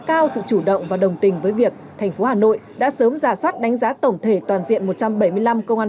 cao sự chủ động và đồng tình với việc tp hà nội đã sớm giả soát đánh giá tổng thể toàn diện một trăm bảy mươi năm công an